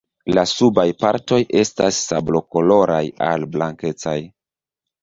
La subaj partoj estas sablokoloraj al blankecaj.